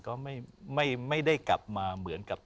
ก็ไม่ได้กลับมาเหมือนกับ